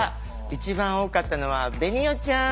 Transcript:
一番多かったのは紅緒ちゃん。